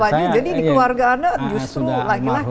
jadi di keluarga anda justru laki laki